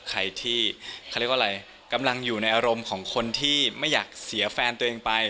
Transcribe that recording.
ใครที่กำลังอยู่ในอารมณ์ของคนที่ไม่อยากเสียแฟนตัวเองไป